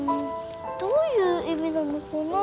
どういう意味なのかな？